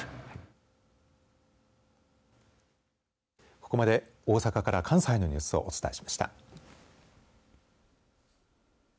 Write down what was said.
ここまで大阪から関西のニュースをお伝えしました。